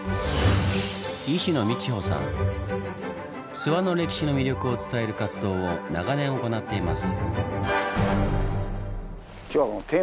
諏訪の歴史の魅力を伝える活動を長年行っています。